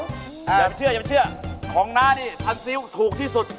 อย่าเพิ่งเชื่อของน้านี่ซัลซิลถูกที่สุด